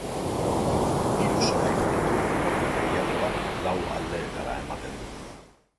Hiru solairu ditu eta teilatuak lau aldeetara ematen du.